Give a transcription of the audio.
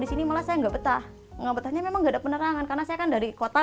disini malah saya enggak betah enggak betahnya memang ada penerangan karena saya kan dari kota